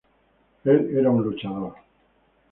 Él era un luchador.